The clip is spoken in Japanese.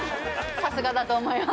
さすがだと思います。